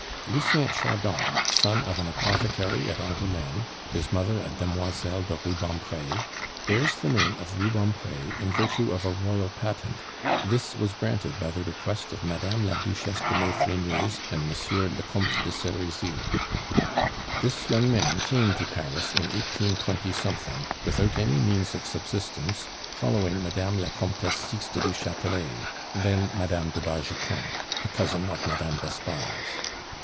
"Lucien Chardon, son of an apothecary at Angouleme his mother a Demoiselle de Rubempre bears the name of Rubempre in virtue of a royal patent. This was granted by the request of Madame la Duchesse de Maufrigneuse and Monsieur le Comte de Serizy. "This young man came to Paris in 182... without any means of subsistence, following Madame la Comtesse Sixte du Chatelet, then Madame de Bargeton, a cousin of Madame d'Espard's.